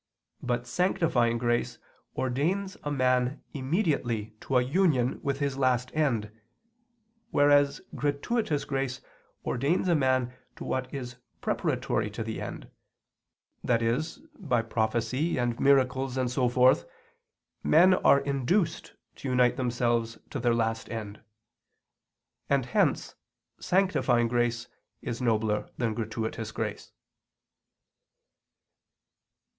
But sanctifying grace ordains a man immediately to a union with his last end, whereas gratuitous grace ordains a man to what is preparatory to the end; i.e. by prophecy and miracles and so forth, men are induced to unite themselves to their last end. And hence sanctifying grace is nobler than gratuitous grace.